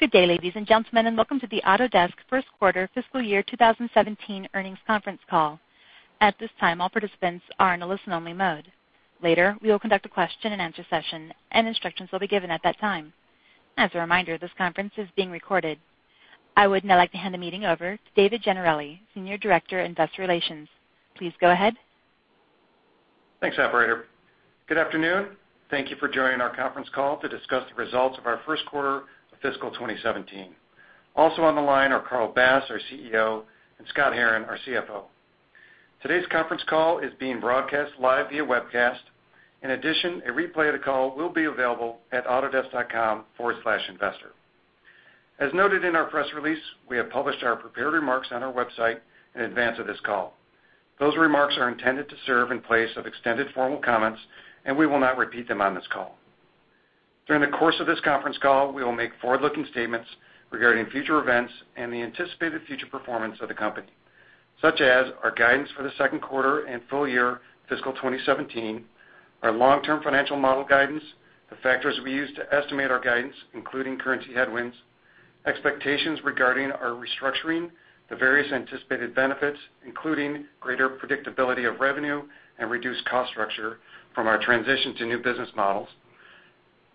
Good day, ladies and gentlemen. Welcome to the Autodesk first quarter fiscal year 2017 earnings conference call. At this time, all participants are in a listen-only mode. Later, we will conduct a question-and-answer session, and instructions will be given at that time. As a reminder, this conference is being recorded. I would now like to hand the meeting over to David Gennarelli, Senior Director, Investor Relations. Please go ahead. Thanks, operator. Good afternoon. Thank you for joining our conference call to discuss the results of our first quarter of fiscal 2017. Also on the line are Carl Bass, our CEO, and Scott Herren, our CFO. Today's conference call is being broadcast live via webcast. In addition, a replay of the call will be available at autodesk.com/investor. As noted in our press release, we have published our prepared remarks on our website in advance of this call. Those remarks are intended to serve in place of extended formal comments. We will not repeat them on this call. During the course of this conference call, we will make forward-looking statements regarding future events, the anticipated future performance of the company, such as our guidance for the second quarter and full year fiscal 2017, our long-term financial model guidance, the factors we use to estimate our guidance, including currency headwinds, expectations regarding our restructuring, the various anticipated benefits, including greater predictability of revenue, reduced cost structure from our transition to new business models,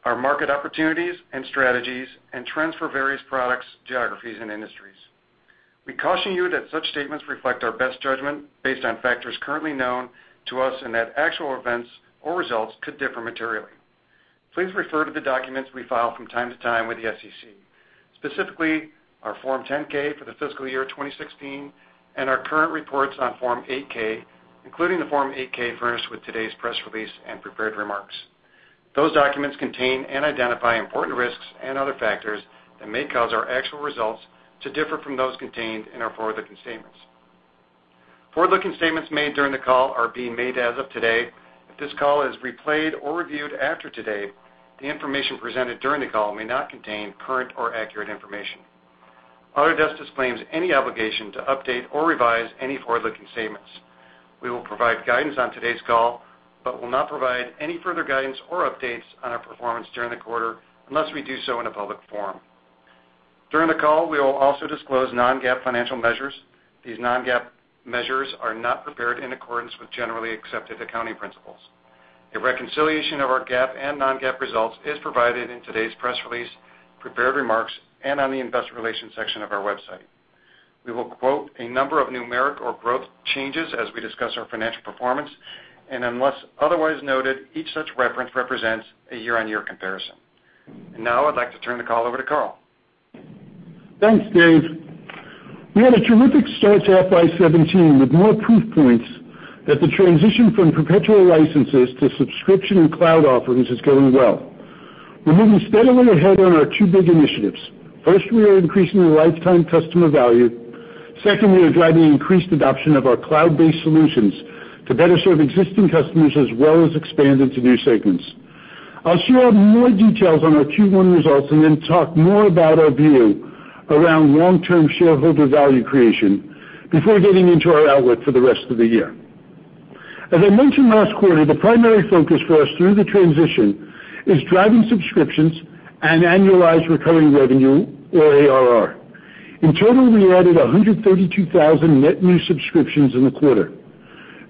our market opportunities, strategies, and trends for various products, geographies, and industries. We caution you that such statements reflect our best judgment based on factors currently known to us. Actual events or results could differ materially. Please refer to the documents we file from time to time with the SEC, specifically our Form 10-K for the fiscal year 2016, our current reports on Form 8-K, including the Form 8-K furnished with today's press release and prepared remarks. Those documents contain, identify important risks, and other factors that may cause our actual results to differ from those contained in our forward-looking statements. Forward-looking statements made during the call are being made as of today. If this call is replayed or reviewed after today, the information presented during the call may not contain current or accurate information. Autodesk disclaims any obligation to update or revise any forward-looking statements. We will provide guidance on today's call. We will not provide any further guidance or updates on our performance during the quarter unless we do so in a public forum. During the call, we will also disclose non-GAAP financial measures. These non-GAAP measures are not prepared in accordance with generally accepted accounting principles. A reconciliation of our GAAP and non-GAAP results is provided in today's press release, prepared remarks, and on the investor relations section of our website. We will quote a number of numeric or growth changes as we discuss our financial performance, and unless otherwise noted, each such reference represents a year-on-year comparison. Now I'd like to turn the call over to Carl. Thanks, Dave. We had a terrific start to FY 2017 with more proof points that the transition from perpetual licenses to subscription and cloud offerings is going well. We're moving steadily ahead on our two big initiatives. First, we are increasing the lifetime customer value. Second, we are driving increased adoption of our cloud-based solutions to better serve existing customers as well as expand into new segments. I'll share more details on our Q1 results and then talk more about our view around long-term shareholder value creation before getting into our outlook for the rest of the year. As I mentioned last quarter, the primary focus for us through the transition is driving subscriptions and annualized recurring revenue or ARR. In total, we added 132,000 net new subscriptions in the quarter.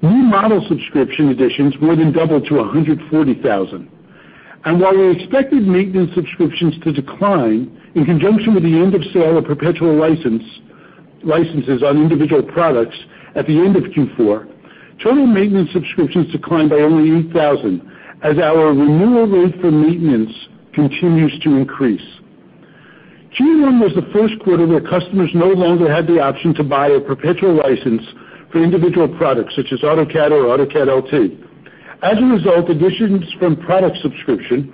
New model subscription additions more than doubled to 140,000. While we expected maintenance subscriptions to decline in conjunction with the end of sale of perpetual licenses on individual products at the end of Q4, total maintenance subscriptions declined by only 8,000 as our renewal rate for maintenance continues to increase. Q1 was the first quarter where customers no longer had the option to buy a perpetual license for individual products such as AutoCAD or AutoCAD LT. As a result, additions from product subscription,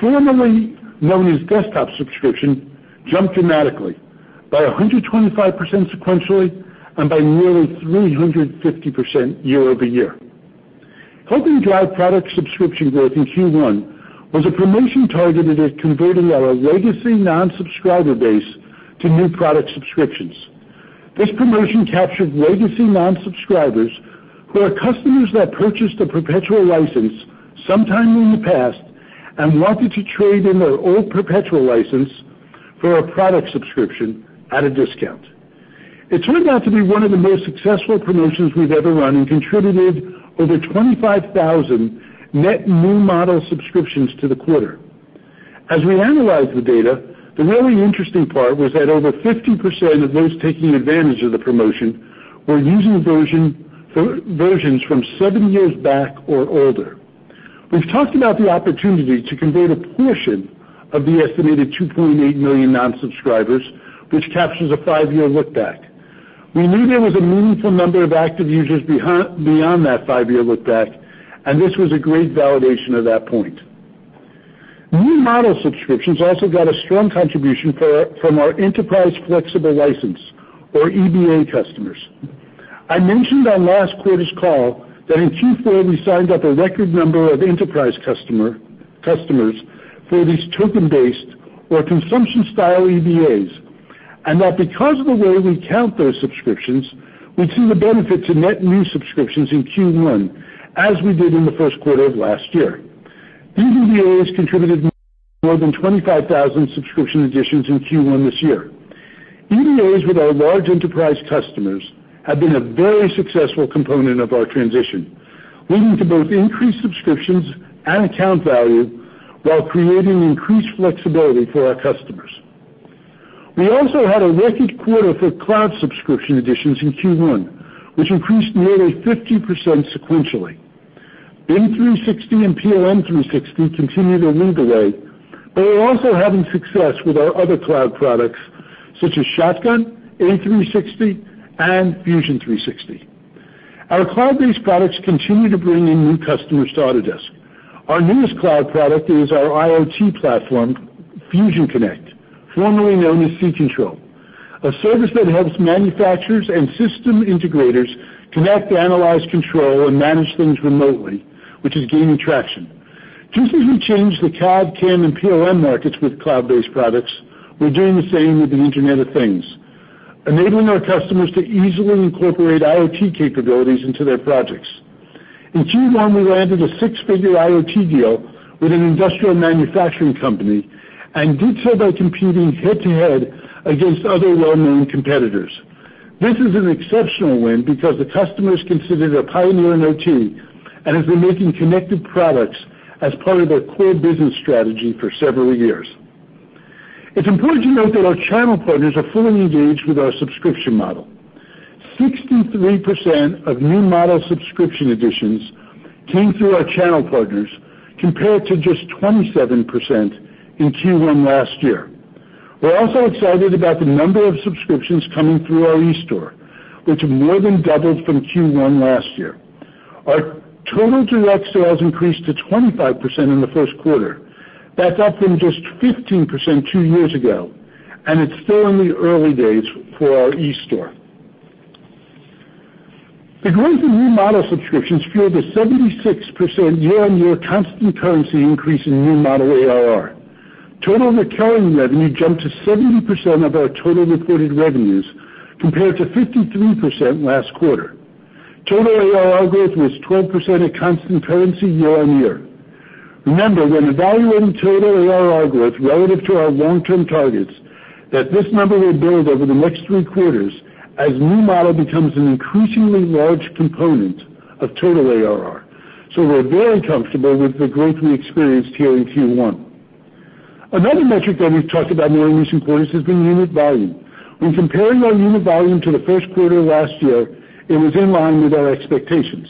formerly known as Desktop Subscription, jumped dramatically by 125% sequentially and by nearly 350% year-over-year. Helping drive product subscription growth in Q1 was a promotion targeted at converting our legacy non-subscriber base to new product subscriptions. This promotion captured legacy non-subscribers who are customers that purchased a perpetual license sometime in the past and wanted to trade in their old perpetual license for a product subscription at a discount. It turned out to be one of the most successful promotions we've ever run and contributed over 25,000 net new model subscriptions to the quarter. As we analyzed the data, the really interesting part was that over 50% of those taking advantage of the promotion were using versions from seven years back or older. We've talked about the opportunity to convert a portion of the estimated 2.8 million non-subscribers, which captures a five-year look-back. We knew there was a meaningful number of active users beyond that five-year look-back, and this was a great validation of that point. New model subscriptions also got a strong contribution from our enterprise flexible license or EBA customers. I mentioned on last quarter's call that in Q4, we signed up a record number of enterprise customers for these token-based or consumption-style EBAs. That because of the way we count those subscriptions, we'd see the benefit to net new subscriptions in Q1, as we did in the first quarter of last year. EBAs contributed more than 25,000 subscription additions in Q1 this year. EBAs with our large enterprise customers have been a very successful component of our transition, leading to both increased subscriptions and account value while creating increased flexibility for our customers. We also had a record quarter for cloud subscription additions in Q1, which increased nearly 50% sequentially. A360 and PLM 360 continue to lead the way, but we're also having success with our other cloud products such as Shotgun, A360, and Fusion 360. Our cloud-based products continue to bring in new customers to Autodesk. Our newest cloud product is our IoT platform, Fusion Connect, formerly known as SeeControl, a service that helps manufacturers and system integrators connect, analyze, control, and manage things remotely, which is gaining traction. Just as we changed the CAD, CAM, and PLM markets with cloud-based products, we're doing the same with the Internet of Things, enabling our customers to easily incorporate IoT capabilities into their projects. In Q1, we landed a six-figure IoT deal with an industrial manufacturing company and did so by competing head-to-head against other well-known competitors. This is an exceptional win because the customers considered a pioneer in IoT and have been making connected products as part of their core business strategy for several years. It's important to note that our channel partners are fully engaged with our subscription model. 63% of new model subscription additions came through our channel partners, compared to just 27% in Q1 last year. We're also excited about the number of subscriptions coming through our eStore, which more than doubled from Q1 last year. Our total direct sales increased to 25% in the first quarter. That's up from just 15% two years ago, and it's still in the early days for our eStore. The growth in new model subscriptions fueled a 76% year-on-year constant currency increase in new model ARR. Total recurring revenue jumped to 70% of our total reported revenues, compared to 53% last quarter. Total ARR growth was 12% at constant currency year-on-year. Remember, when evaluating total ARR growth relative to our long-term targets, that this number will build over the next three quarters as new model becomes an increasingly large component of total ARR. We're very comfortable with the growth we experienced here in Q1. Another metric that we've talked about in recent quarters has been unit volume. When comparing our unit volume to the first quarter of last year, it was in line with our expectations.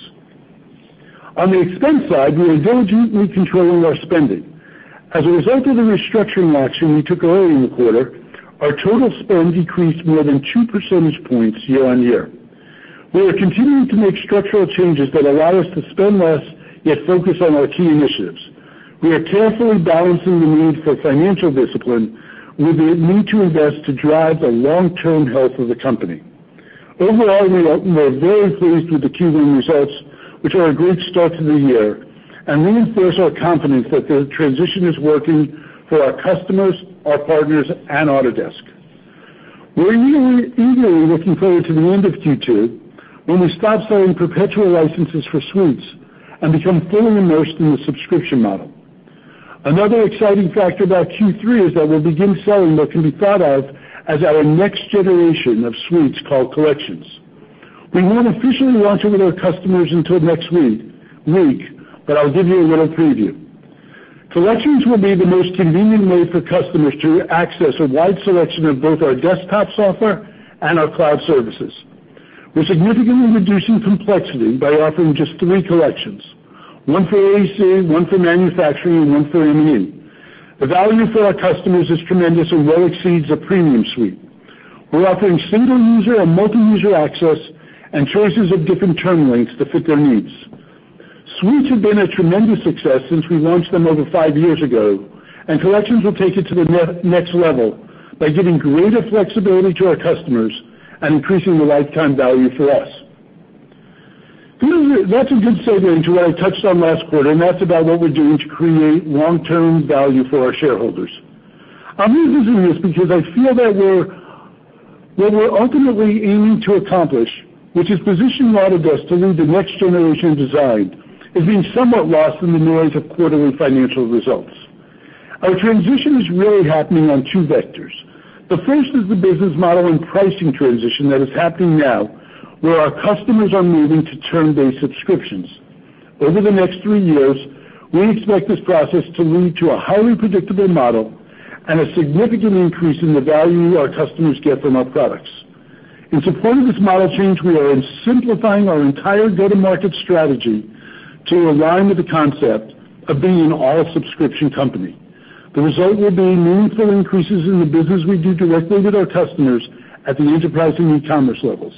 On the expense side, we are diligently controlling our spending. As a result of the restructuring action we took early in the quarter, our total spend decreased more than two percentage points year-on-year. We are continuing to make structural changes that allow us to spend less, yet focus on our key initiatives. We are carefully balancing the need for financial discipline with the need to invest to drive the long-term health of the company. Overall, we are very pleased with the Q1 results, which are a great start to the year and reinforce our confidence that the transition is working for our customers, our partners, and Autodesk. We're eagerly looking forward to the end of Q2, when we stop selling perpetual licenses for suites and become fully immersed in the subscription model. Another exciting factor about Q3 is that we'll begin selling what can be thought of as our next generation of suites called Collections. We won't officially launch it with our customers until next week, but I'll give you a little preview. Collections will be the most convenient way for customers to access a wide selection of both our desktop software and our cloud services. We're significantly reducing complexity by offering just three collections, one for AEC, one for manufacturing, and one for M&E. The value for our customers is tremendous and well exceeds a premium suite. We're offering single-user or multi-user access and choices of different term lengths to fit their needs. Suites have been a tremendous success since we launched them over five years ago, and Collections will take it to the next level by giving greater flexibility to our customers and increasing the lifetime value for us. That's a good segue into what I touched on last quarter, and that's about what we're doing to create long-term value for our shareholders. I'm revisiting this because I feel that what we're ultimately aiming to accomplish, which is position Autodesk to lead the next generation of design, has been somewhat lost in the noise of quarterly financial results. Our transition is really happening on two vectors. The first is the business model and pricing transition that is happening now, where our customers are moving to term-based subscriptions. Over the next three years, we expect this process to lead to a highly predictable model and a significant increase in the value our customers get from our products. In support of this model change, we are simplifying our entire go-to-market strategy to align with the concept of being an all-subscription company. The result will be meaningful increases in the business we do directly with our customers at the enterprise and e-commerce levels.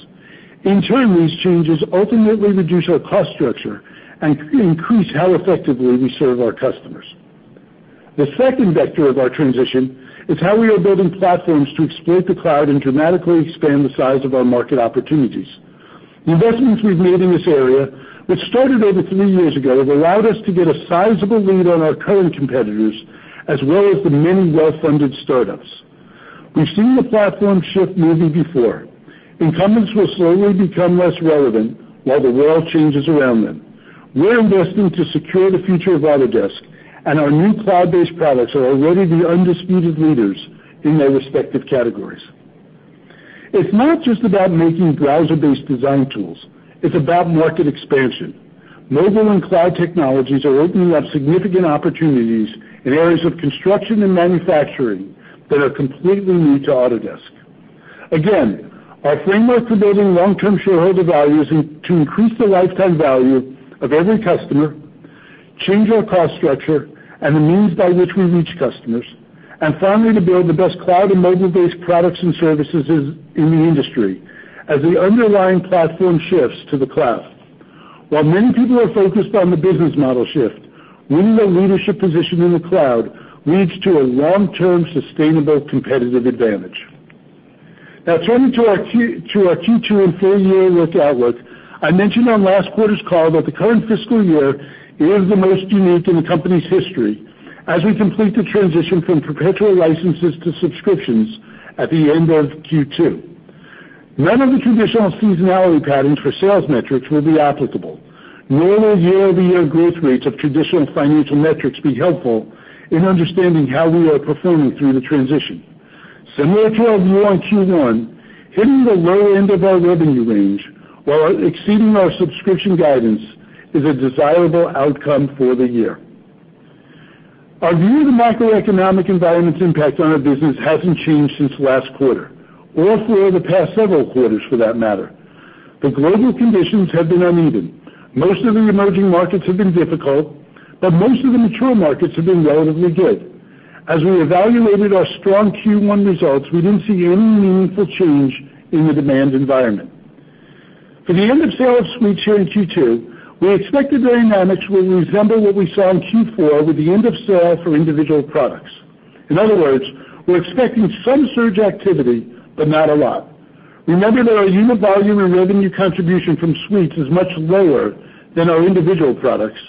In turn, these changes ultimately reduce our cost structure and increase how effectively we serve our customers. The second vector of our transition is how we are building platforms to exploit the cloud and dramatically expand the size of our market opportunities. Investments we've made in this area, which started over three years ago, have allowed us to get a sizable lead on our current competitors, as well as the many well-funded startups. We've seen the platform shift movie before. Incumbents will slowly become less relevant while the world changes around them. We're investing to secure the future of Autodesk, and our new cloud-based products are already the undisputed leaders in their respective categories. It's not just about making browser-based design tools. It's about market expansion. Mobile and cloud technologies are opening up significant opportunities in areas of construction and manufacturing that are completely new to Autodesk. Our framework for building long-term shareholder value is to increase the lifetime value of every customer, change our cost structure, and the means by which we reach customers, finally, to build the best cloud and mobile-based products and services in the industry as the underlying platform shifts to the cloud. While many people are focused on the business model shift, winning a leadership position in the cloud leads to a long-term, sustainable competitive advantage. Turning to our Q2 and full-year outlook. I mentioned on last quarter's call that the current fiscal year is the most unique in the company's history as we complete the transition from perpetual licenses to subscriptions at the end of Q2. None of the traditional seasonality patterns for sales metrics will be applicable, nor will year-over-year growth rates of traditional financial metrics be helpful in understanding how we are performing through the transition. Similar to our view on Q1, hitting the low end of our revenue range while exceeding our subscription guidance is a desirable outcome for the year. Our view of the macroeconomic environment's impact on our business hasn't changed since last quarter or for the past several quarters, for that matter. The global conditions have been uneven. Most of the emerging markets have been difficult, but most of the mature markets have been relatively good. As we evaluated our strong Q1 results, we didn't see any meaningful change in the demand environment. For the end of sale of suites here in Q2, we expect the dynamics will resemble what we saw in Q4 with the end of sale for individual products. In other words, we're expecting some surge activity, but not a lot. Remember that our unit volume and revenue contribution from suites is much lower than our individual products,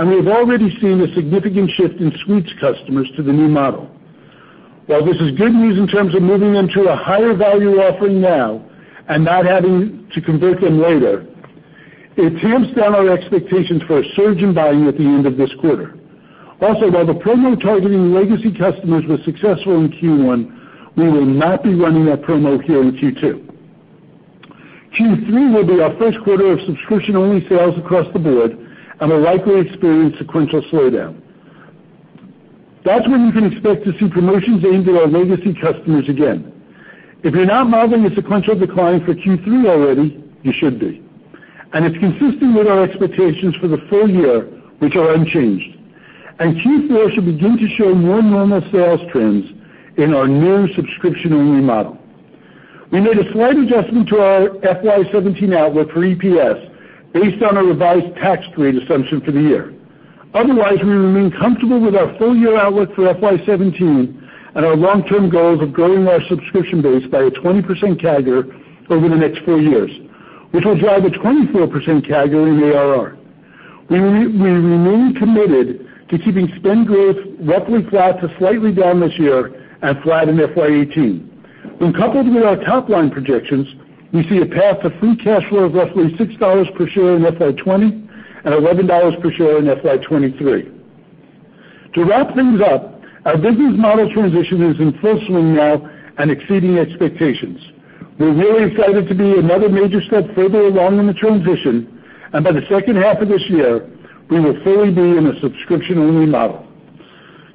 and we have already seen a significant shift in suites customers to the new model. While this is good news in terms of moving them to a higher-value offering now and not having to convert them later, it tamps down our expectations for a surge in buying at the end of this quarter. Also, while the promo targeting legacy customers was successful in Q1, we will not be running that promo here in Q2. Q3 will be our first quarter of subscription-only sales across the board and will likely experience sequential slowdown. That's when you can expect to see promotions aimed at our legacy customers again. If you're not modeling a sequential decline for Q3 already, you should be. It's consistent with our expectations for the full year, which are unchanged. Q4 should begin to show more normal sales trends in our new subscription-only model. We made a slight adjustment to our FY 2017 outlook for EPS based on a revised tax rate assumption for the year. Otherwise, we remain comfortable with our full-year outlook for FY 2017 and our long-term goals of growing our subscription base by a 20% CAGR over the next four years, which will drive a 24% CAGR in ARR. We remain committed to keeping spend growth roughly flat to slightly down this year and flat in FY 2018. When coupled with our top-line projections, we see a path to free cash flow of roughly $6 per share in FY 2020 and $11 per share in FY 2023. To wrap things up, our business model transition is in full swing now and exceeding expectations. We're really excited to be another major step further along in the transition. By the second half of this year, we will fully be in a subscription-only model.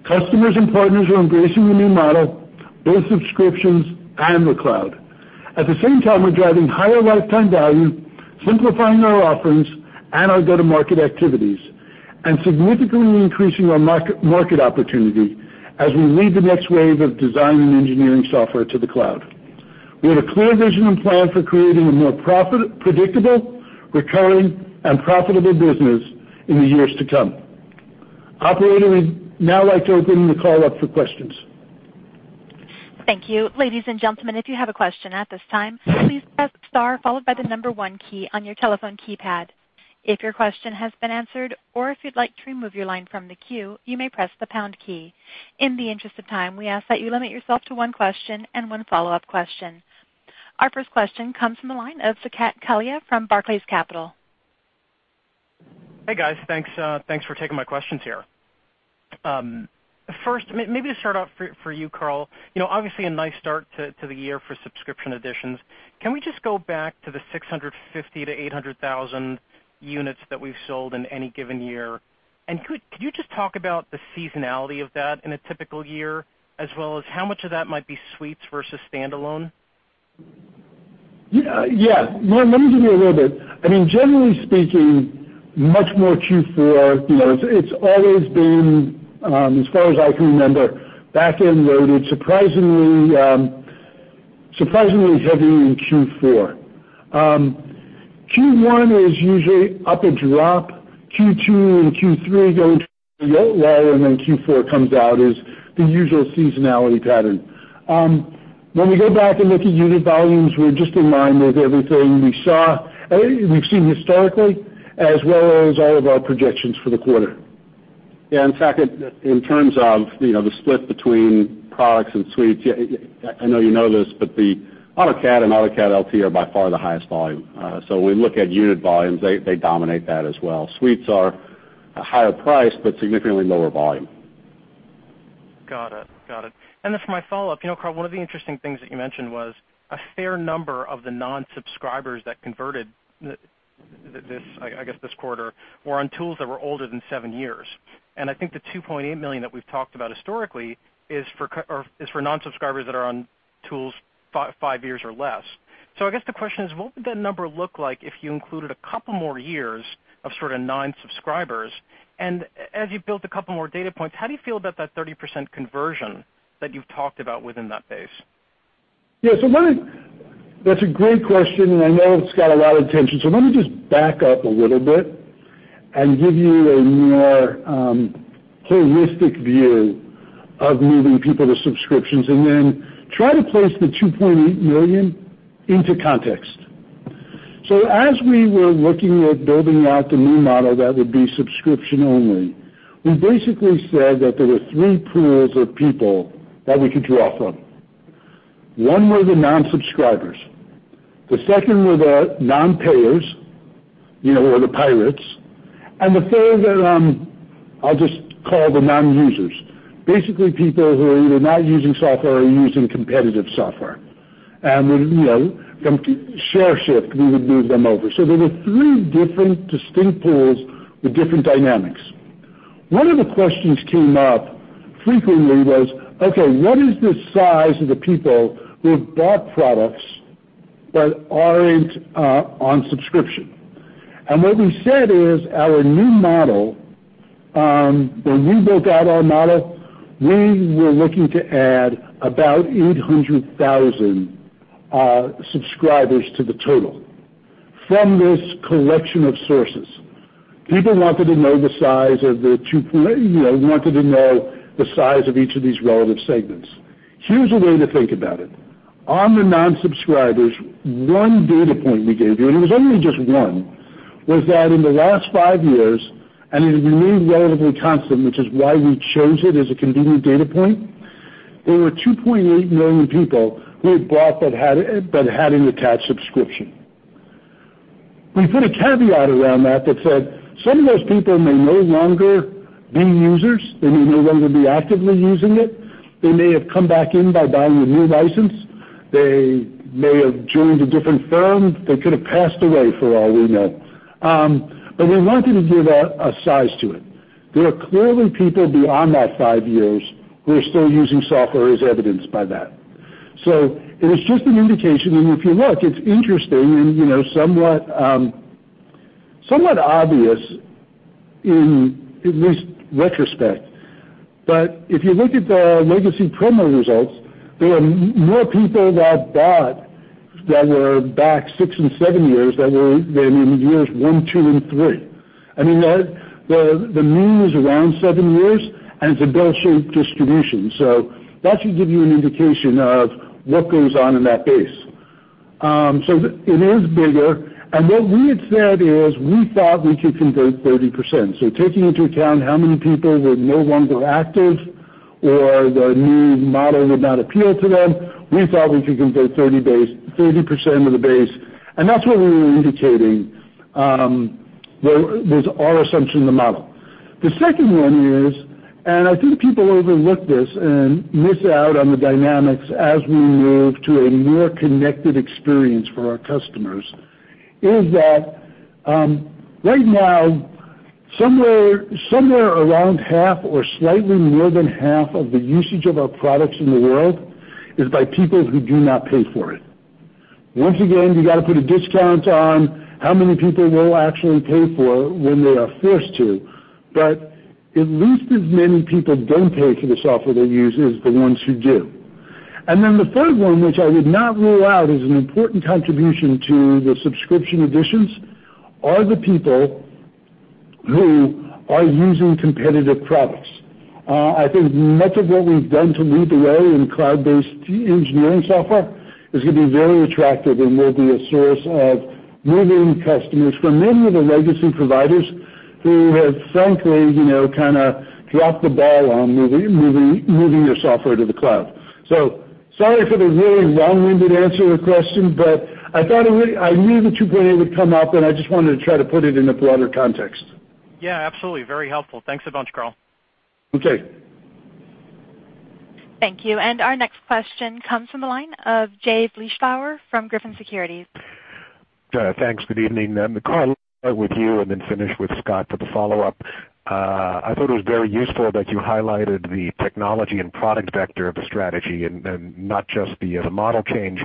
Customers and partners are embracing the new model, both subscriptions and the cloud. At the same time, we're driving higher lifetime value, simplifying our offerings and our go-to-market activities, and significantly increasing our market opportunity as we lead the next wave of design and engineering software to the cloud. We have a clear vision and plan for creating a more predictable, recurring, and profitable business in the years to come. Operator, we'd now like to open the call up for questions. Thank you. Ladies and gentlemen, if you have a question at this time, please press star followed by the number 1 key on your telephone keypad. If your question has been answered or if you'd like to remove your line from the queue, you may press the pound key. In the interest of time, we ask that you limit yourself to 1 question and 1 follow-up question. Our first question comes from the line of Saket Kalia from Barclays Capital. Hey, guys. Thanks for taking my questions here. First, maybe to start off for you, Carl. Obviously, a nice start to the year for subscription additions. Can we just go back to the 650,000 to 800,000 units that we've sold in any given year? Could you just talk about the seasonality of that in a typical year, as well as how much of that might be suites versus standalone? Yeah. Let me give you a little bit. Generally speaking, much more Q4. It's always been, as far as I can remember, back-end loaded, surprisingly heavy in Q4. Q1 is usually up a drop. Q2 and Q3 going lower, Q4 comes out is the usual seasonality pattern. When we go back and look at unit volumes, we're just in line with everything we've seen historically, as well as all of our projections for the quarter. Yeah. In fact, in terms of the split between products and suites, I know you know this, but the AutoCAD and AutoCAD LT are by far the highest volume. When we look at unit volumes, they dominate that as well. Suites are a higher price, but significantly lower volume. Got it. For my follow-up, Carl, one of the interesting things that you mentioned was a fair number of the non-subscribers that converted, I guess, this quarter, were on tools that were older than seven years. I think the 2.8 million that we've talked about historically is for non-subscribers that are on tools five years or less. I guess the question is, what would that number look like if you included a couple more years of non-subscribers? And as you built a couple more data points, how do you feel about that 30% conversion that you've talked about within that base? Yeah. That's a great question, and I know it's got a lot of attention. Let me just back up a little bit and give you a more holistic view of moving people to subscriptions, try to place the 2.8 million into context. As we were looking at building out the new model that would be subscription only, we basically said that there were three pools of people that we could draw from. One were the non-subscribers, the second were the non-payers or the pirates, and the third are, I'll just call, the non-users. Basically, people who are either not using software or using competitive software. From share shift, we would move them over. There were three different distinct pools with different dynamics. One of the questions came up frequently was, okay, what is the size of the people who have bought products but aren't on subscription? What we said is our new model, when we built out our model, we were looking to add about 800,000 subscribers to the total from this collection of sources. People wanted to know the size of each of these relative segments. Here's a way to think about it. On the non-subscribers, one data point we gave you, and it was only just one, was that in the last five years, and it remained relatively constant, which is why we chose it as a convenient data point, there were 2.8 million people who had bought but hadn't attached subscription. We put a caveat around that said, some of those people may no longer be users. They may no longer be actively using it. They may have come back in by buying a new license. They may have joined a different firm. They could have passed away for all we know. We wanted to give a size to it. There are clearly people beyond that five years who are still using software, as evidenced by that. It is just an indication. If you look, it's interesting and somewhat obvious in at least retrospect. If you look at the legacy promo results, there are more people that bought that were back six and seven years than in years one, two, and three. The mean is around seven years, and it's a bell-shaped distribution. That should give you an indication of what goes on in that base. It is bigger. What we had said is we thought we could convert 30%. Taking into account how many people were no longer active or the new model would not appeal to them, we thought we could convert 30% of the base, and that's what we were indicating was our assumption in the model. The second one is, and I think people overlook this and miss out on the dynamics as we move to a more connected experience for our customers, is that right now, somewhere around half or slightly more than half of the usage of our products in the world is by people who do not pay for it. Once again, you got to put a discount on how many people will actually pay for when they are forced to, but at least as many people don't pay for the software they use as the ones who do. The third one, which I would not rule out as an important contribution to the subscription additions, are the people who are using competitive products. I think much of what we've done to lead the way in cloud-based engineering software is going to be very attractive and will be a source of moving customers from many of the legacy providers who have frankly, kind of dropped the ball on moving their software to the cloud. Sorry for the really long-winded answer to the question, but I knew the 2.8 would come up, and I just wanted to try to put it in a broader context. Yeah, absolutely. Very helpful. Thanks a bunch, Carl. Okay. Thank you. Our next question comes from the line of Jay Vleeschhouwer from Griffin Securities. Thanks. Good evening. Carl, I'll start with you and then finish with Scott for the follow-up. I thought it was very useful that you highlighted the technology and product vector of the strategy and not just the model change.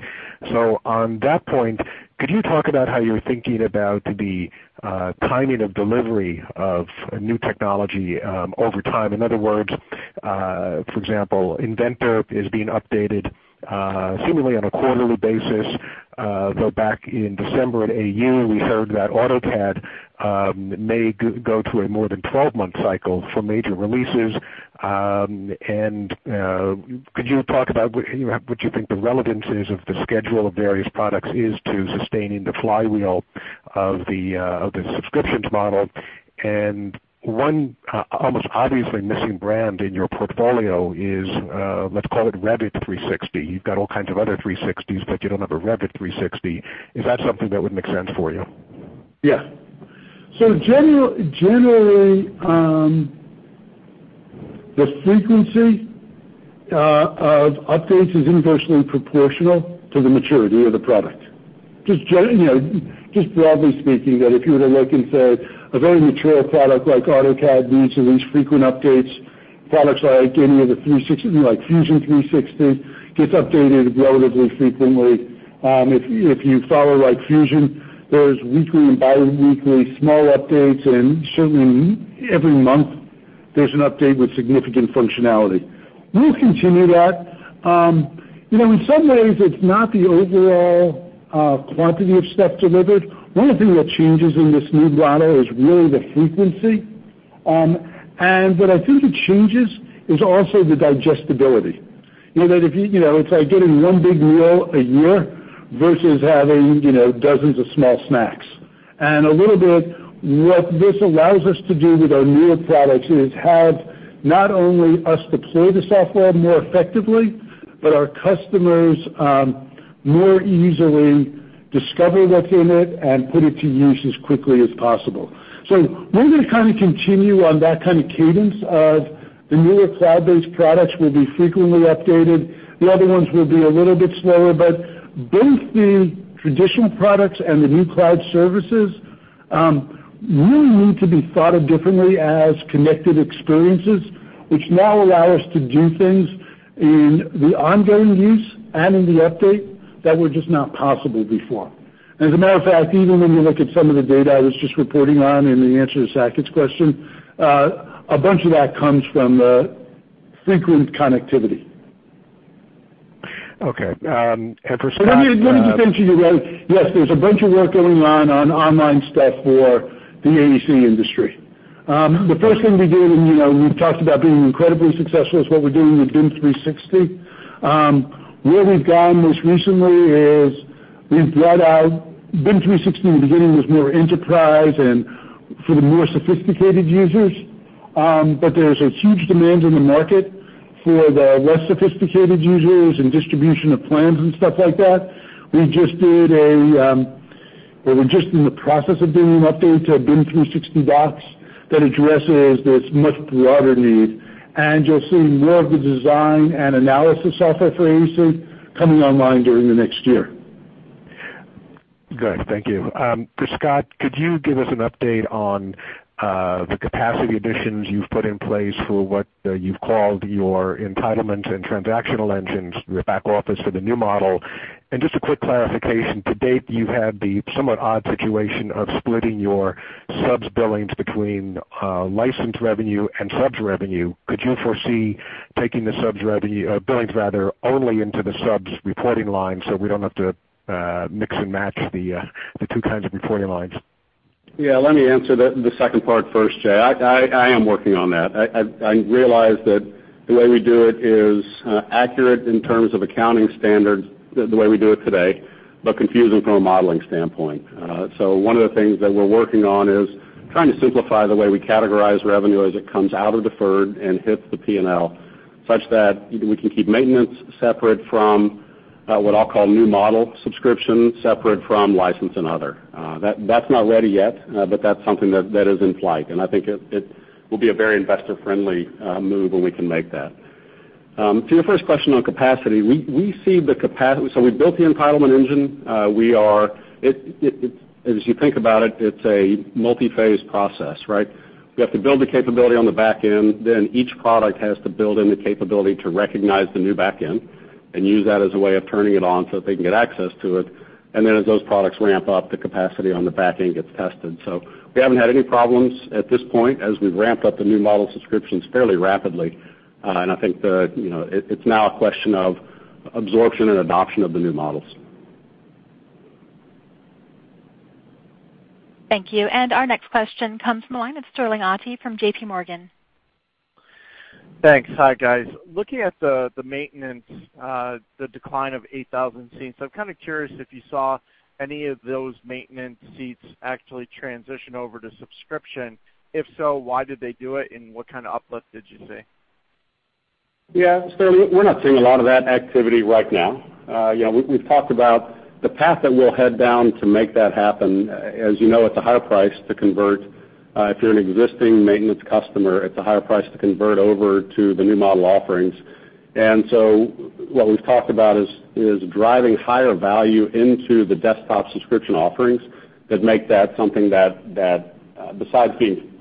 On that point, could you talk about how you're thinking about the timing of delivery of new technology over time? In other words, for example, Inventor is being updated seemingly on a quarterly basis, though back in December at AU, we heard that AutoCAD may go to a more than 12-month cycle for major releases. Could you talk about what you think the relevance is of the schedule of various products is to sustaining the flywheel of the subscriptions model? One almost obviously missing brand in your portfolio is, let's call it Revit 360. You've got all kinds of other 360s, but you don't have a Revit 360. Is that something that would make sense for you? Yes. Generally, the frequency of updates is inversely proportional to the maturity of the product. Just broadly speaking, that if you were to look and say a very mature product like AutoCAD needs at least frequent updates. Products like any of the 360, like Fusion 360, gets updated relatively frequently. If you follow Fusion, there's weekly and biweekly small updates, and certainly every month, there's an update with significant functionality. We'll continue that. In some ways, it's not the overall quantity of stuff delivered. One of the thing that changes in this new model is really the frequency. What I think it changes is also the digestibility. It's like getting one big meal a year versus having dozens of small snacks. A little bit what this allows us to do with our newer products is have not only us deploy the software more effectively, but our customers more easily discover what's in it and put it to use as quickly as possible. We're going to continue on that cadence of the newer cloud-based products will be frequently updated. The other ones will be a little bit slower, but both the traditional products and the new cloud services really need to be thought of differently as connected experiences, which now allow us to do things in the ongoing use and in the update that were just not possible before. As a matter of fact, even when you look at some of the data I was just reporting on in the answer to Saket's question, a bunch of that comes from frequent connectivity. Okay. For Scott- Let me just answer you that, yes, there's a bunch of work going on online stuff for the AEC industry. The first thing we did, and we've talked about being incredibly successful is what we're doing with BIM 360. Where we've gone most recently is we've brought out BIM 360 in the beginning was more enterprise and for the more sophisticated users. There's a huge demand in the market for the less sophisticated users and distribution of plans and stuff like that. We're just in the process of doing an update to BIM 360 Docs that addresses this much broader need. You'll see more of the design and analysis software for AEC coming online during the next year. Good. Thank you. Scott, could you give us an update on the capacity additions you've put in place for what you've called your entitlement and transactional engines, your back office for the new model? Just a quick clarification. To date, you've had the somewhat odd situation of splitting your subs billings between license revenue and subs revenue. Could you foresee taking the subs revenue, billings rather, only into the subs reporting line so we don't have to mix and match the two kinds of reporting lines? Yeah, let me answer the second part first, Jay. I am working on that. I realize that the way we do it is accurate in terms of accounting standards, the way we do it today, but confusing from a modeling standpoint. One of the things that we're working on is trying to simplify the way we categorize revenue as it comes out of deferred and hits the P&L, such that we can keep maintenance separate from what I'll call new model subscription, separate from license and other. That's not ready yet, but that's something that is in flight, and I think it will be a very investor-friendly move when we can make that. To your first question on capacity. We built the entitlement engine. As you think about it's a multi-phase process, right? We have to build the capability on the back end, then each product has to build in the capability to recognize the new back end and use that as a way of turning it on so that they can get access to it. Then as those products ramp up, the capacity on the back end gets tested. We haven't had any problems at this point as we've ramped up the new model subscriptions fairly rapidly. I think it's now a question of absorption and adoption of the new models. Thank you. Our next question comes from the line of Sterling Auty from JP Morgan. Thanks. Hi, guys. Looking at the maintenance, the decline of 8,000 seats, I'm curious if you saw any of those maintenance seats actually transition over to subscription. If so, why did they do it, and what kind of uplift did you see? Yeah, Sterling, we're not seeing a lot of that activity right now. We've talked about the path that we'll head down to make that happen. As you know, it's a higher price to convert If you're an existing maintenance customer, it's a higher price to convert over to the new model offerings. What we've talked about is driving higher value into the Desktop Subscription offerings that make that something that, besides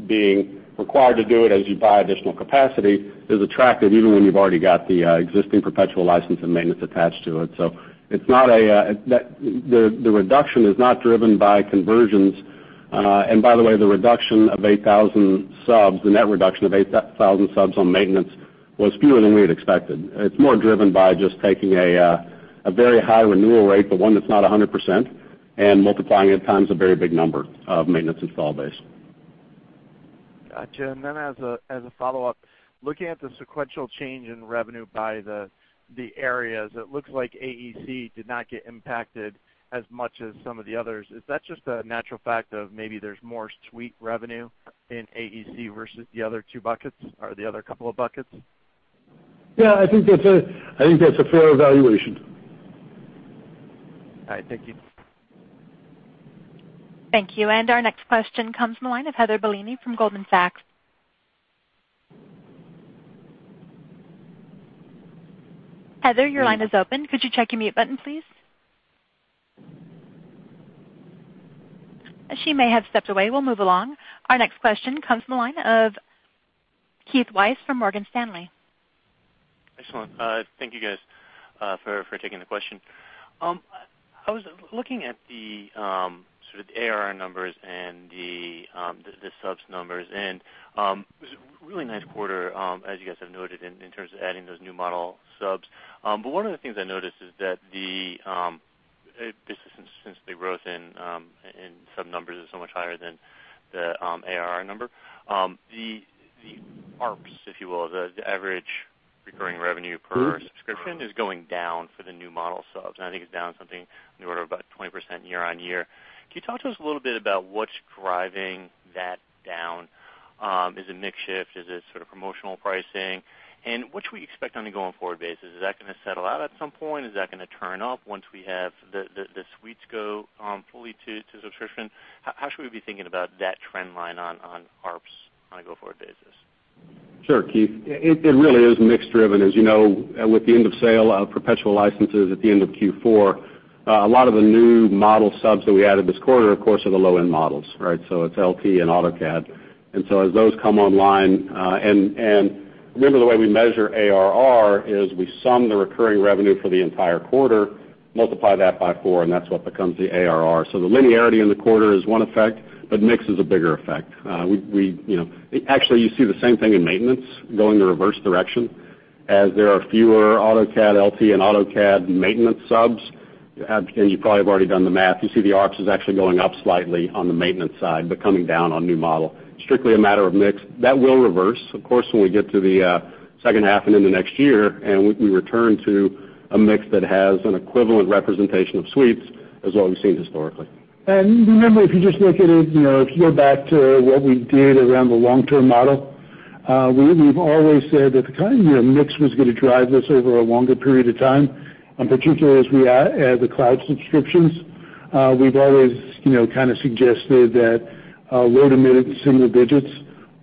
being required to do it as you buy additional capacity, is attractive even when you've already got the existing perpetual license and maintenance attached to it. The reduction is not driven by conversions. By the way, the reduction of 8,000 subs, the net reduction of 8,000 subs on maintenance was fewer than we had expected. It's more driven by just taking a very high renewal rate, but one that's not 100%, and multiplying it times a very big number of maintenance install base. Got you. As a follow-up, looking at the sequential change in revenue by the areas, it looks like AEC did not get impacted as much as some of the others. Is that just a natural fact of maybe there's more suite revenue in AEC versus the other two buckets or the other couple of buckets? Yeah, I think that's a fair evaluation. All right. Thank you. Thank you. Our next question comes from the line of Heather Bellini from Goldman Sachs. Heather, your line is open. Could you check your mute button, please? She may have stepped away. We'll move along. Our next question comes from the line of Keith Weiss from Morgan Stanley. Excellent. Thank you guys for taking the question. I was looking at the sort of ARR numbers and the subs numbers, it was a really nice quarter, as you guys have noted in terms of adding those new model subs. One of the things I noticed is that since the growth in sub numbers is so much higher than the ARR number. The ARPS, if you will, the average recurring revenue per subscription is going down for the new model subs, and I think it's down something in the order of about 20% year-on-year. Can you talk to us a little bit about what's driving that down? Is it mix shift? Is it sort of promotional pricing? What should we expect on a going forward basis? Is that going to settle out at some point? Is that going to turn up once we have the suites go fully to subscription? How should we be thinking about that trend line on ARPS on a go-forward basis? Sure, Keith. It really is mix driven. As you know, with the end of sale of perpetual licenses at the end of Q4, a lot of the new model subs that we added this quarter, of course, are the low-end models, right? It's LT and AutoCAD. As those come online, and remember the way we measure ARR is we sum the recurring revenue for the entire quarter, multiply that by four, and that's what becomes the ARR. The linearity in the quarter is one effect, mix is a bigger effect. Actually, you see the same thing in maintenance going the reverse direction as there are fewer AutoCAD LT and AutoCAD maintenance subs. You probably have already done the math. You see the ARPS is actually going up slightly on the maintenance side, coming down on new model. Strictly a matter of mix. That will reverse, of course, when we get to the second half and into next year, and we return to a mix that has an equivalent representation of suites as what we've seen historically. Remember, if you go back to what we did around the long-term model, we've always said that mix was going to drive this over a longer period of time, and particularly as we add the cloud subscriptions. We've always kind of suggested that low-to-mid single digits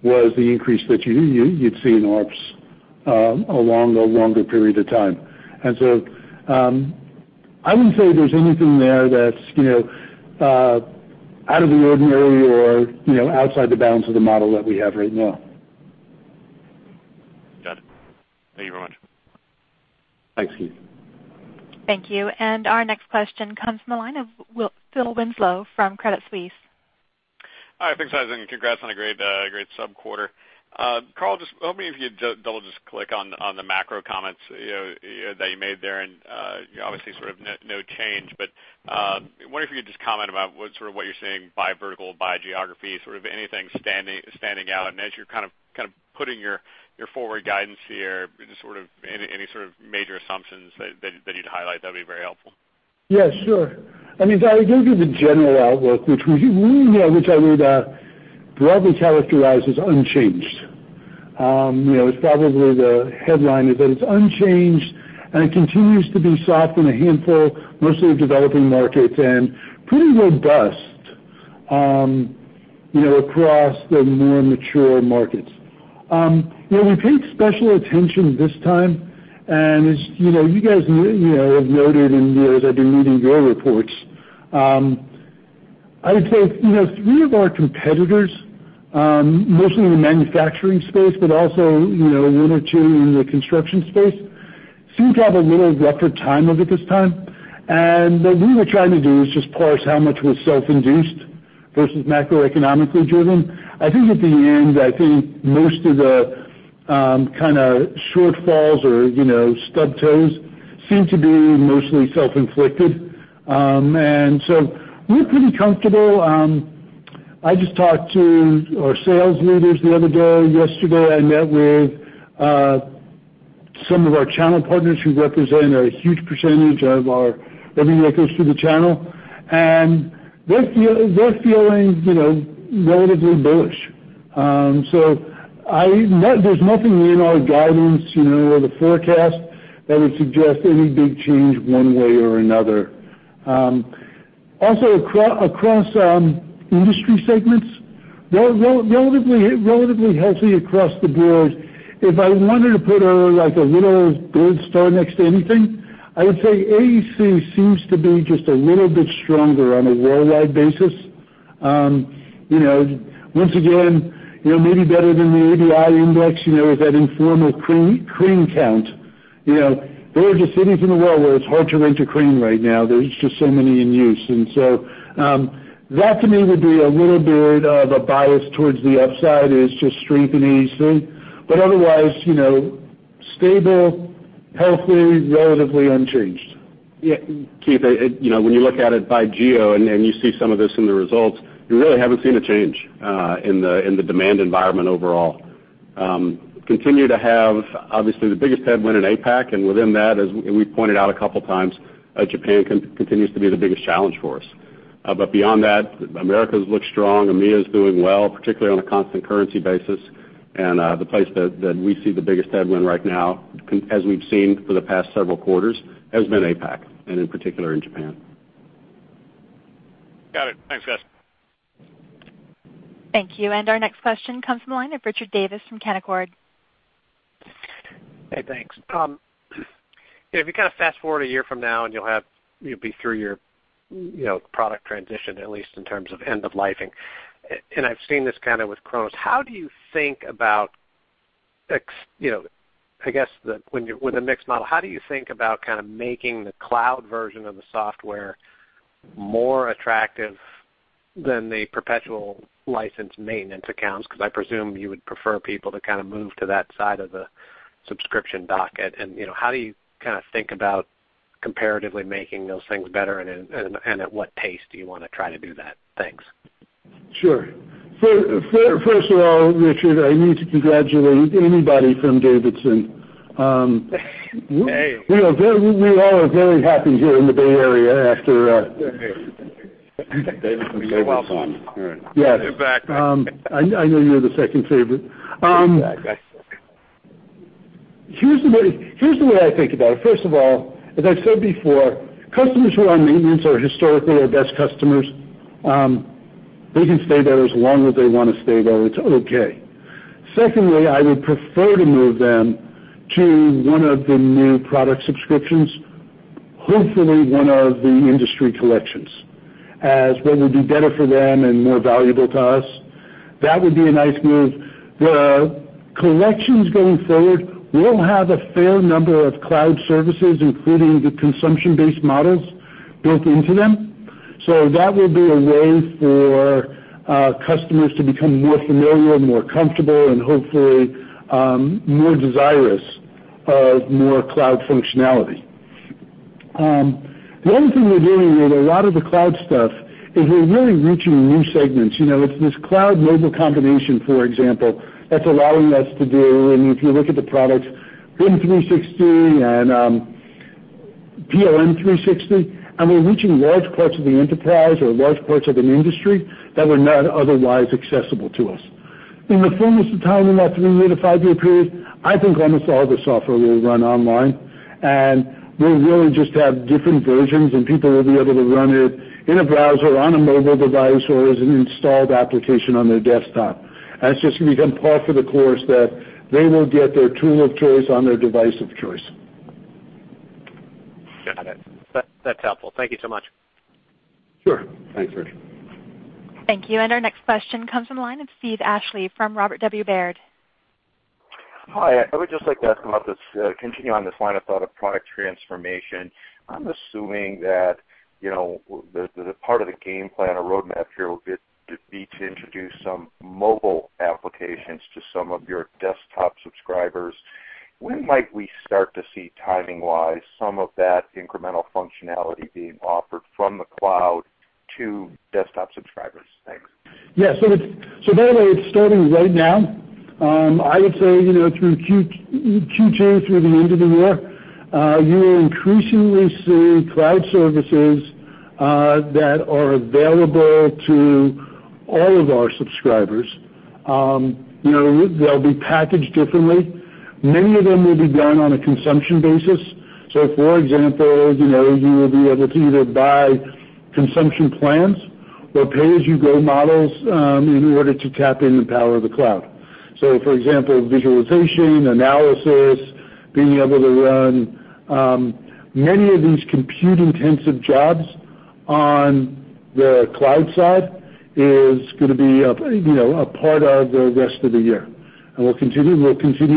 was the increase that you'd see in ARPS along a longer period of time. I wouldn't say there's anything there that's out of the ordinary or outside the bounds of the model that we have right now. Got it. Thank you very much. Thanks, Keith. Thank you. Our next question comes from the line of Phil Winslow from Credit Suisse. Hi, thanks, guys, congrats on a great sub-quarter. Carl, just wondering if you'd double just click on the macro comments that you made there, obviously sort of no change. Wondering if you could just comment about what you're seeing by vertical, by geography, sort of anything standing out. As you're kind of putting your forward guidance here, any sort of major assumptions that you'd highlight, that'd be very helpful. Yeah, sure. I mean, Phil, I gave you the general outlook, which I would broadly characterize as unchanged. It's probably the headline is that it's unchanged, and it continues to be soft in a handful, mostly of developing markets, and pretty robust across the more mature markets. We paid special attention this time, and as you guys have noted as I've been reading your reports, I would say three of our competitors, mostly in the manufacturing space, but also one or two in the construction space, seem to have a little rougher time of it this time. What we were trying to do is just parse how much was self-induced versus macroeconomically driven. I think at the end, I think most of the kind of shortfalls or stubbed toes seem to be mostly self-inflicted. So we're pretty comfortable. I just talked to our sales leaders the other day. Yesterday, I met with some of our channel partners who represent a huge percentage of our revenue that goes through the channel. They're feeling relatively bullish. There's nothing in our guidance or the forecast that would suggest any big change one way or another. Also across industry segments, relatively healthy across the board. If I wanted to put a little gold star next to anything, I would say AEC seems to be just a little bit stronger on a worldwide basis. Once again, maybe better than the ABI Index, is that informal crane count. There are just cities in the world where it's hard to rent a crane right now. There's just so many in use. That, to me, would be a little bit of a bias towards the upside is just strength in AEC. Otherwise, stable, healthy, relatively unchanged. Yeah. Keith, when you look at it by geo, you see some of this in the results, you really haven't seen a change in the demand environment overall. Continue to have, obviously, the biggest headwind in APAC, and within that, as we pointed out a couple of times, Japan continues to be the biggest challenge for us. Beyond that, Americas looks strong. EMEA is doing well, particularly on a constant currency basis. The place that we see the biggest headwind right now, as we've seen for the past several quarters, has been APAC, and in particular in Japan. Got it. Thanks, guys. Thank you. Our next question comes from the line of Richard Davis from Canaccord. Hey, thanks. If you fast-forward a year from now, you'll be through your product transition, at least in terms of end-of-lifing, and I've seen this with Kronos, how do you think about— I guess with a mixed model, how do you think about making the cloud version of the software more attractive than the perpetual license maintenance accounts? I presume you would prefer people to move to that side of the subscription docket. How do you think about comparatively making those things better, and at what pace do you want to try to do that? Thanks. Sure. First of all, Richard, I need to congratulate anybody from Davidson. Hey. We all are very happy here in the Bay Area. Davis favorite son. Yes. In fact. I know you're the second favorite. Exactly. Here's the way I think about it. First of all, as I've said before, customers who are on maintenance are historically our best customers. They can stay there as long as they want to stay there. It's okay. Secondly, I would prefer to move them to one of the new product subscriptions, hopefully one of the Industry Collections, as what would be better for them and more valuable to us. That would be a nice move. The collections going forward will have a fair number of cloud services, including the consumption-based models built into them. That will be a way for our customers to become more familiar, more comfortable, and hopefully more desirous of more cloud functionality. The other thing we're doing with a lot of the cloud stuff is we're really reaching new segments. It's this cloud mobile combination, for example, that's allowing us to do. If you look at the products BIM 360 and PLM 360, and we're reaching large parts of the enterprise or large parts of an industry that were not otherwise accessible to us. In the fullness of time, in that three-year to five-year period, I think almost all the software will run online, and we'll really just have different versions, and people will be able to run it in a browser, on a mobile device, or as an installed application on their desktop. It's just going to become par for the course that they will get their tool of choice on their device of choice. Got it. That's helpful. Thank you so much. Sure. Thanks, Richard. Thank you. Our next question comes from the line of Steve Ashley from Robert W. Baird. Hi. I would just like to ask about this, continuing on this line of thought of product transformation. I'm assuming that part of the game plan or roadmap here would be to introduce some mobile applications to some of your desktop subscribers. When might we start to see, timing-wise, some of that incremental functionality being offered from the cloud to desktop subscribers? Thanks. Yes. By the way, it's starting right now. I would say through Q2 through the end of the year, you will increasingly see cloud services that are available to all of our subscribers. They'll be packaged differently. Many of them will be done on a consumption basis. For example, you will be able to either buy consumption plans or pay-as-you-go models in order to tap into the power of the cloud. For example, visualization, analysis, being able to run many of these compute-intensive jobs on the cloud side is going to be a part of the rest of the year, and we'll continue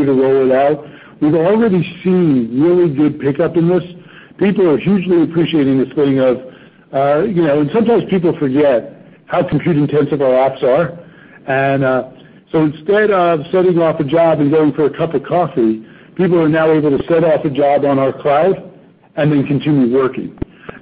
to roll it out. We've already seen really good pickup in this. People are hugely appreciating this. Sometimes people forget how compute-intensive our apps are. Instead of setting off a job and going for a cup of coffee, people are now able to set off a job on our cloud and then continue working.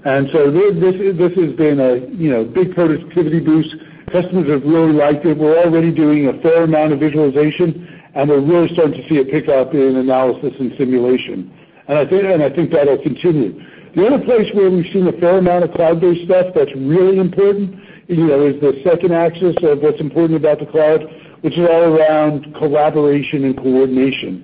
This has been a big productivity boost. Customers have really liked it. We're already doing a fair amount of visualization, and we're really starting to see a pickup in analysis and simulation. I think that'll continue. The other place where we've seen a fair amount of cloud-based stuff that's really important is the second axis of what's important about the cloud, which is all around collaboration and coordination.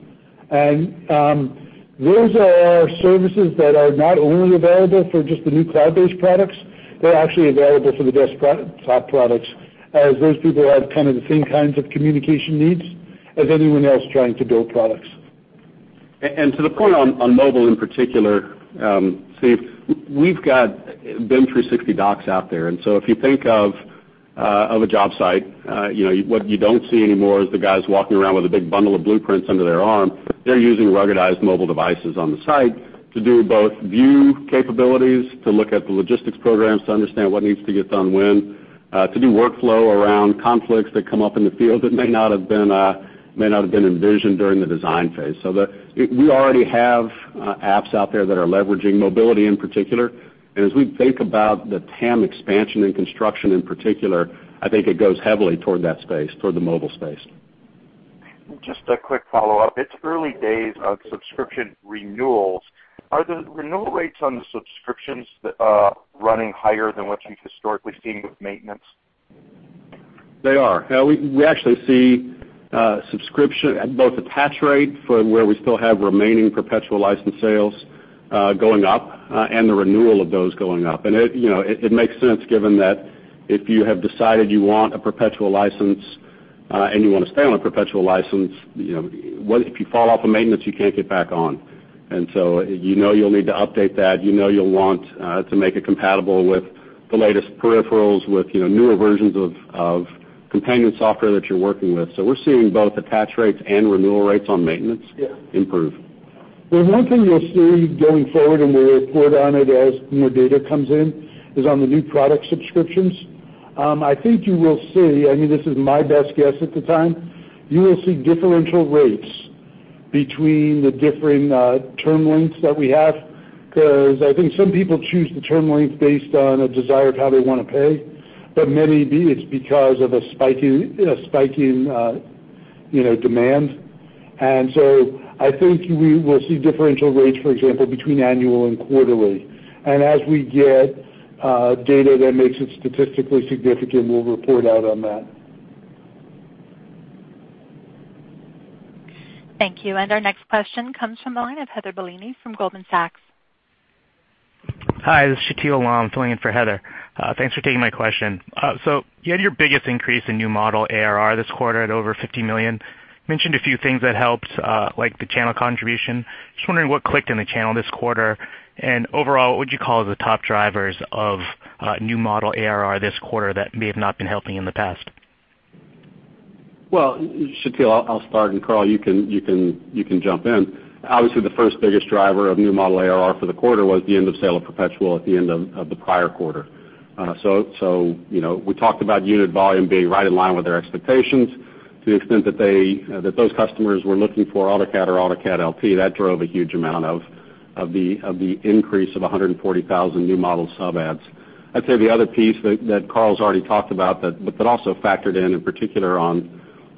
Those are services that are not only available for just the new cloud-based products. They're actually available for the desktop products, as those people have the same kinds of communication needs as anyone else trying to build products. To the point on mobile in particular, Steve, we've got BIM 360 Docs out there. If you think of a job site, what you don't see anymore is the guys walking around with a big bundle of blueprints under their arm. They're using ruggedized mobile devices on the site to do both view capabilities, to look at the logistics programs, to understand what needs to get done when, to do workflow around conflicts that come up in the field that may not have been envisioned during the design phase. We already have apps out there that are leveraging mobility in particular. As we think about the TAM expansion in construction in particular, I think it goes heavily toward that space, toward the mobile space. Just a quick follow-up. It's early days on subscription renewals. Are the renewal rates on the subscriptions running higher than what you've historically seen with maintenance? They are. We actually see subscription, both attach rate for where we still have remaining perpetual license sales, going up, and the renewal of those going up. It makes sense given that if you have decided you want a perpetual license and you want to stay on a perpetual license, if you fall off of maintenance, you can't get back on. You know you'll need to update that. You know you'll want to make it compatible with the latest peripherals, with newer versions of companion software that you're working with. We're seeing both attach rates and renewal rates on maintenance improve. The one thing you'll see going forward, and we'll report on it as more data comes in, is on the new product subscriptions. I think you will see, this is my best guess at the time, you will see differential rates between the differing term lengths that we have. I think some people choose the term length based on a desire of how they want to pay. I think we will see differential rates, for example, between annual and quarterly. As we get data that makes it statistically significant, we'll report out on that. Thank you. Our next question comes from the line of Heather Bellini from Goldman Sachs. Hi, this is [Shatil Alam] filling in for Heather. Thanks for taking my question. You had your biggest increase in new model ARR this quarter at over $50 million. Mentioned a few things that helped, like the channel contribution. Just wondering what clicked in the channel this quarter, and overall, what would you call the top drivers of new model ARR this quarter that may have not been helping in the past? Well, Shatil, I'll start, and Carl, you can jump in. Obviously, the first biggest driver of new model ARR for the quarter was the end-of-sale of perpetual at the end of the prior quarter. We talked about unit volume being right in line with their expectations to the extent that those customers were looking for AutoCAD or AutoCAD LT, that drove a huge amount of the increase of 140,000 new model sub adds. I'd say the other piece that Carl's already talked about, but that also factored in in particular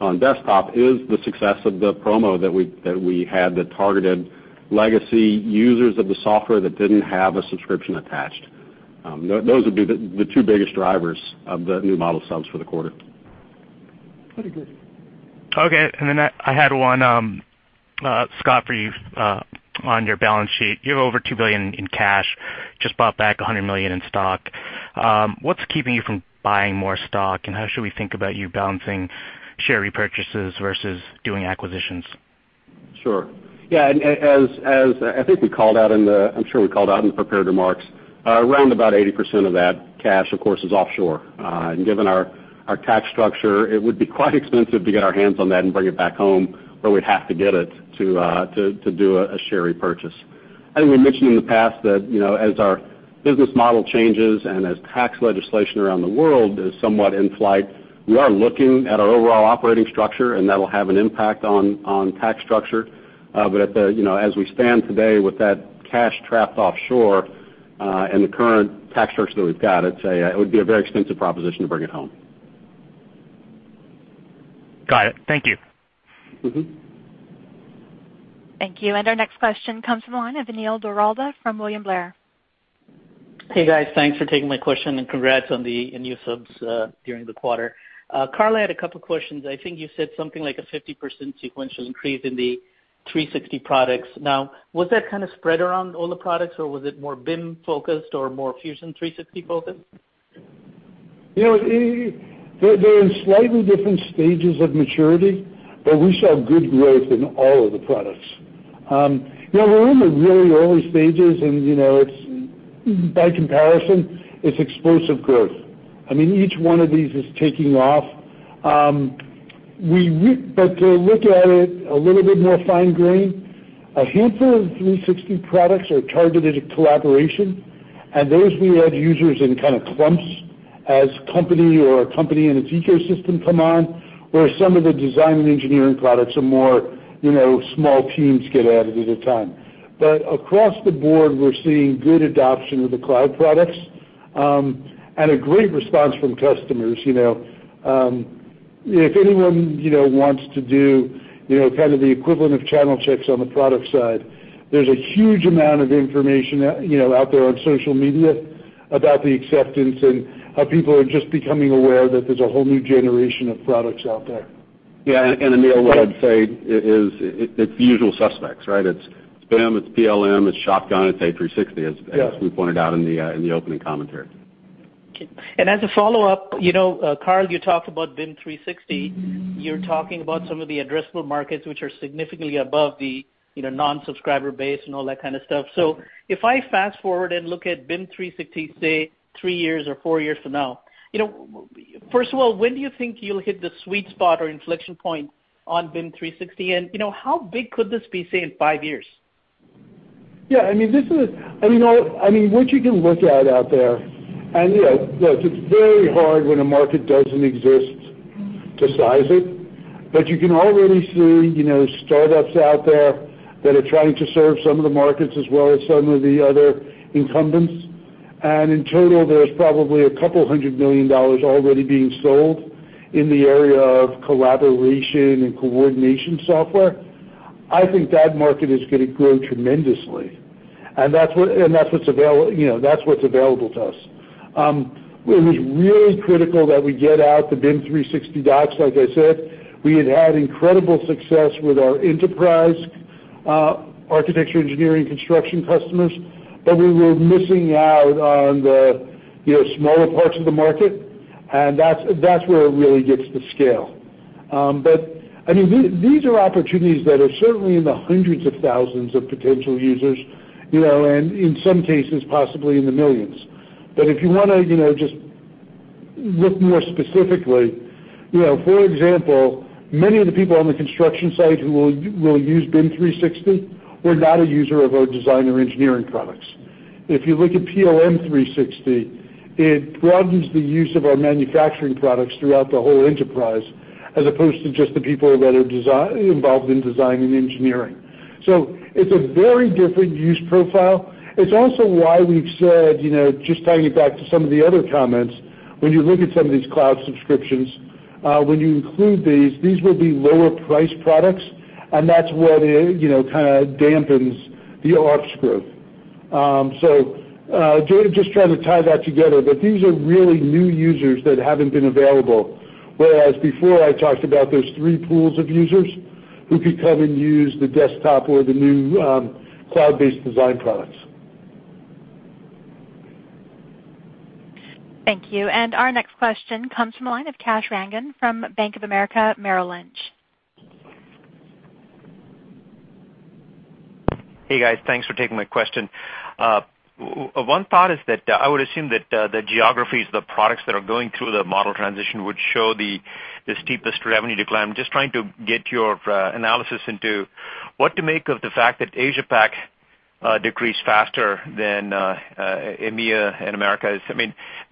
on desktop, is the success of the promo that we had that targeted legacy users of the software that didn't have a subscription attached. Those would be the two biggest drivers of the new model subs for the quarter. Pretty good. I had one, Scott, for you on your balance sheet. You have over $2 billion in cash, just bought back $100 million in stock. What's keeping you from buying more stock, and how should we think about you balancing share repurchases versus doing acquisitions? Sure. Yeah, I'm sure we called out in the prepared remarks, around about 80% of that cash, of course, is offshore. Given our tax structure, it would be quite expensive to get our hands on that and bring it back home, or we'd have to get it to do a share repurchase. I think we mentioned in the past that as our business model changes and as tax legislation around the world is somewhat in flight, we are looking at our overall operating structure, and that'll have an impact on tax structure. As we stand today with that cash trapped offshore, and the current tax structure that we've got, it would be a very expensive proposition to bring it home. Got it. Thank you. Thank you. Our next question comes from the line of Anil Doradla from William Blair. Hey, guys. Thanks for taking my question, and congrats on the new subs during the quarter. Carl, I had a couple questions. I think you said something like a 50% sequential increase in the 360 products. Was that spread around all the products, or was it more BIM-focused or more Fusion 360-focused? They're in slightly different stages of maturity, we saw good growth in all of the products. We're in the really early stages, by comparison, it's explosive growth. Each one of these is taking off. To look at it a little bit more fine grain, a handful of 360 products are targeted at collaboration. Those, we add users in clumps as company or a company in its ecosystem come on, where some of the design and engineering products are more small teams get added at a time. Across the board, we're seeing good adoption of the cloud products, and a great response from customers. If anyone wants to do the equivalent of channel checks on the product side, there's a huge amount of information out there on social media about the acceptance and how people are just becoming aware that there's a whole new generation of products out there. Yeah. Anil, what I'd say is it's the usual suspects, right? It's BIM, it's PLM, it's Shotgun, it's A360, as we pointed out in the opening commentary. As a follow-up, Carl, you talked about BIM 360. You are talking about some of the addressable markets, which are significantly above the non-subscriber base and all that kind of stuff. If I fast-forward and look at BIM 360, say, three years or four years from now, first of all, when do you think you will hit the sweet spot or inflection point on BIM 360? How big could this be, say, in five years? Yeah. What you can look at out there, look, it is very hard when a market does not exist to size it. You can already see startups out there that are trying to serve some of the markets as well as some of the other incumbents. In total, there is probably $couple hundred million already being sold in the area of collaboration and coordination software. I think that market is going to grow tremendously, and that is what is available to us. It was really critical that we get out the BIM 360 Docs, like I said. We had had incredible success with our enterprise architecture, engineering, construction customers, but we were missing out on the smaller parts of the market, and that is where it really gets the scale. These are opportunities that are certainly in the hundreds of thousands of potential users, and in some cases, possibly in the millions. If you want to just look more specifically, for example, many of the people on the construction site who will use BIM 360 were not a user of our design or engineering products. If you look at PLM 360, it broadens the use of our manufacturing products throughout the whole enterprise as opposed to just the people that are involved in design and engineering. It is a very different use profile. It is also why we have said, just tying it back to some of the other comments, when you look at some of these cloud subscriptions, when you include these will be lower priced products, and that is what dampens the ops growth. Jay, just trying to tie that together, these are really new users that have not been available, whereas before I talked about those three pools of users who could come and use the desktop or the new cloud-based design products. Thank you. Our next question comes from the line of Kash Rangan from Bank of America Merrill Lynch. Hey, guys. Thanks for taking my question. One thought is that I would assume that the geographies, the products that are going through the model transition would show the steepest revenue decline. I'm just trying to get your analysis into what to make of the fact that Asia Pac decreased faster than EMEA and Americas.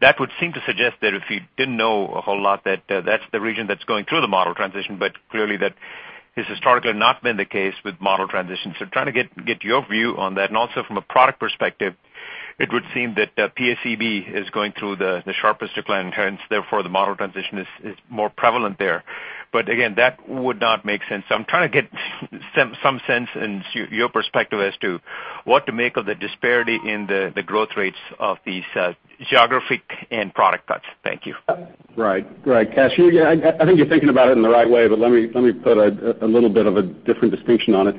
That would seem to suggest that if you didn't know a whole lot, that that's the region that's going through the model transition, but clearly that has historically not been the case with model transitions. Trying to get your view on that. Also from a product perspective, it would seem that PSEB is going through the sharpest decline, hence, therefore the model transition is more prevalent there. But again, that would not make sense. I'm trying to get some sense in your perspective as to what to make of the disparity in the growth rates of these geographic and product cuts. Thank you. Right. Kash, I think you're thinking about it in the right way, but let me put a little bit of a different distinction on it.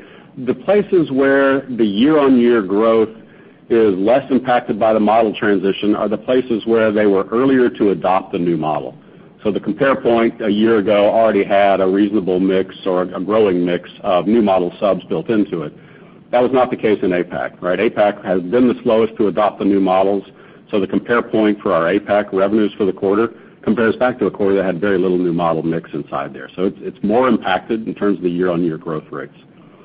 The places where the year-on-year growth is less impacted by the model transition are the places where they were earlier to adopt the new model. The compare point a year ago already had a reasonable mix or a growing mix of new model subs built into it. That was not the case in APAC, right? APAC has been the slowest to adopt the new models. The compare point for our APAC revenues for the quarter compares back to a quarter that had very little new model mix inside there. It's more impacted in terms of the year-on-year growth rates.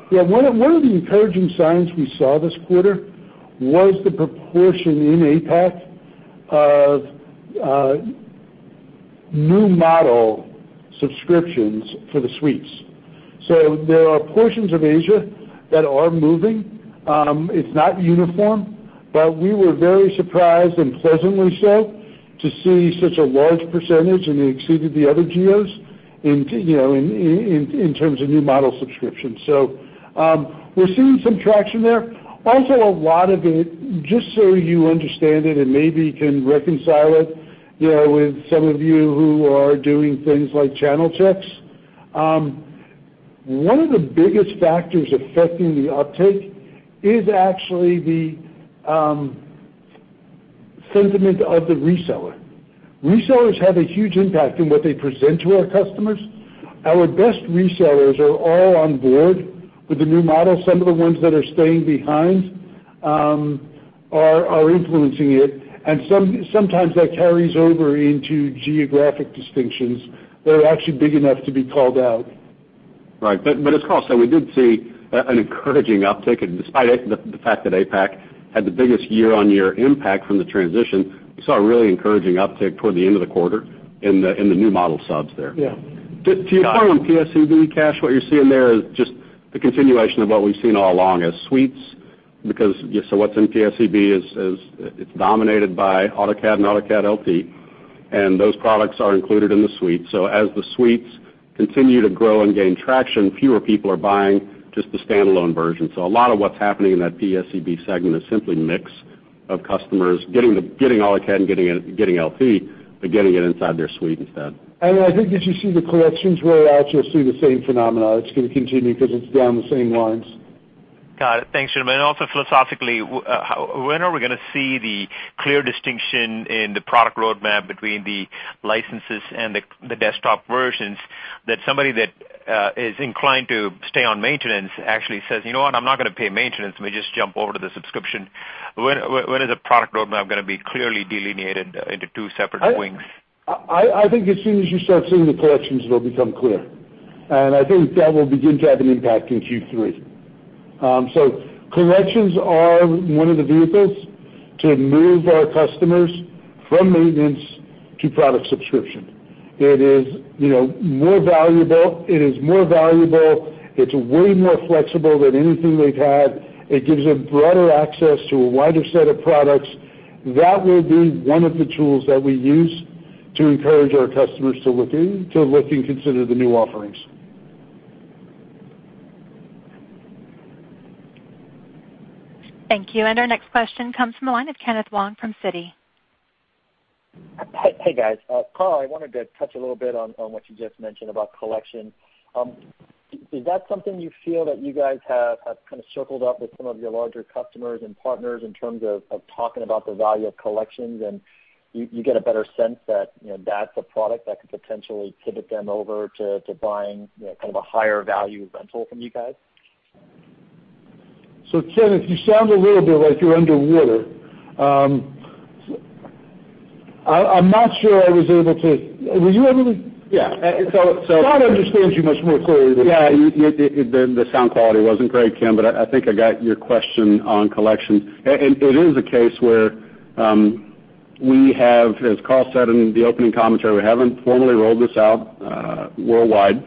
One of the encouraging signs we saw this quarter was the proportion in APAC of new model subscriptions for the suites. There are portions of Asia that are moving. It's not uniform, we were very surprised and pleasantly so to see such a large percentage, and it exceeded the other geos in terms of new model subscriptions. We're seeing some traction there. Also, a lot of it, just so you understand it and maybe can reconcile it, with some of you who are doing things like channel checks. One of the biggest factors affecting the uptake is actually the sentiment of the reseller. Resellers have a huge impact in what they present to our customers. Our best resellers are all on board with the new model. Some of the ones that are staying behind are influencing it, sometimes that carries over into geographic distinctions that are actually big enough to be called out. As Carl said, we did see an encouraging uptick, despite the fact that APAC had the biggest year-on-year impact from the transition, we saw a really encouraging uptick toward the end of the quarter in the new model subs there. Yeah. To your point on PSEB, Kash, what you're seeing there is just the continuation of what we've seen all along as suites, what's in PSEB is it's dominated by AutoCAD and AutoCAD LT. Those products are included in the suite. As the suites continue to grow and gain traction, fewer people are buying just the standalone version. A lot of what's happening in that PSEB segment is simply mix of customers getting all they can, getting LT, but getting it inside their suite instead. I think as you see the Collections roll out, you'll see the same phenomenon. It's going to continue because it's down the same lines. Got it. Thanks, gentlemen. Philosophically, when are we going to see the clear distinction in the product roadmap between the licenses and the desktop versions that somebody that is inclined to stay on maintenance actually says, "You know what? I'm not going to pay maintenance. Let me just jump over to the subscription." When is the product roadmap going to be clearly delineated into two separate wings? I think as soon as you start seeing the Collections, it'll become clear. I think that will begin to have an impact in Q3. Collections are one of the vehicles to move our customers from maintenance to product subscription. It is more valuable, it's way more flexible than anything they've had. It gives them broader access to a wider set of products. That will be one of the tools that we use to encourage our customers to look and consider the new offerings. Thank you. Our next question comes from the line of Kenneth Wong from Citi. Hey, guys. Carl, I wanted to touch a little bit on what you just mentioned about Collections. Is that something you feel that you guys have kind of circled up with some of your larger customers and partners in terms of talking about the value of Collections, and you get a better sense that's a product that could potentially pivot them over to buying kind of a higher value rental from you guys? Ken, you sound a little bit like you're underwater. I'm not sure I was able to. Were you able to? Yeah. Scott understands you much more clearly than I do. Yeah, the sound quality wasn't great, Ken, but I think I got your question on Collections. It is a case where we have, as Carl said in the opening commentary, we haven't formally rolled this out worldwide.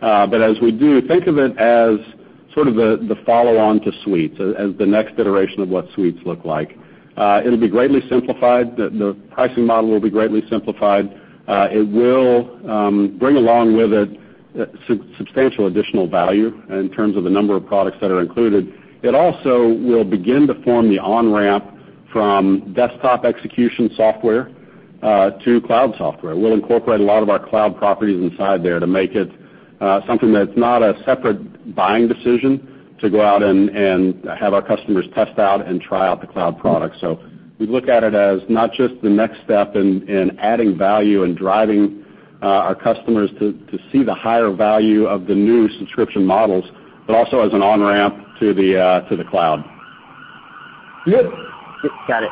As we do, think of it as sort of the follow-on to Suites, as the next iteration of what Suites look like. It'll be greatly simplified. The pricing model will be greatly simplified. It will bring along with it substantial additional value in terms of the number of products that are included. It also will begin to form the on-ramp from desktop execution software to cloud software. We'll incorporate a lot of our cloud properties inside there to make it something that's not a separate buying decision to go out and have our customers test out and try out the cloud product. We look at it as not just the next step in adding value and driving our customers to see the higher value of the new subscription models, but also as an on-ramp to the cloud. Got it.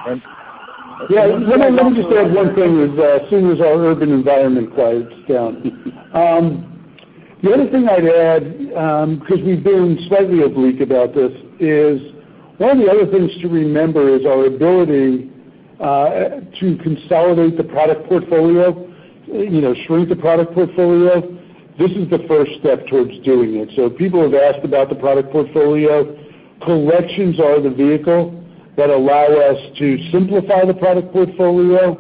Let me just add one thing as soon as our urban environment quiets down. The other thing I'd add, because we've been slightly oblique about this, is one of the other things to remember is our ability to consolidate the product portfolio, shrink the product portfolio. This is the first step towards doing it. People have asked about the product portfolio. Collections are the vehicle that allow us to simplify the product portfolio,